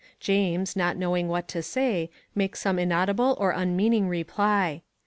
James, not knowing what to say, makes some inaudible or unmeaning reply.